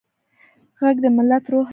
غږ د ملت روح دی